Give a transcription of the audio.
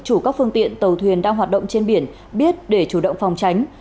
chủ các phương tiện tàu thuyền đang hoạt động trên biển biết để chủ động phòng tránh